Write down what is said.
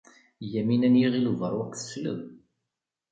Yamina n Yiɣil Ubeṛwaq tesleb.